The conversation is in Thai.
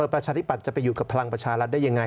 ประชาธิบัตย์จะไปอยู่กับพลังประชารัฐได้ยังไง